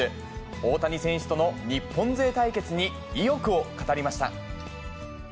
大谷選手との日本勢対決に意欲を語りました。